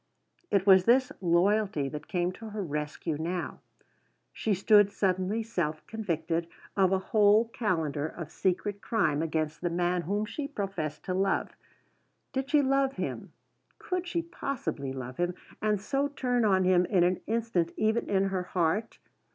It was this loyalty that came to her rescue now: she stood suddenly self convicted of a whole calendar of secret crime against the man whom she professed to love. Did she love him? Could she possibly love him, and so turn on him in an instant, even in her heart?